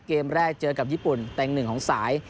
เกมแรกเจอกับญี่ปุ่นแต่งหนึ่งของสาย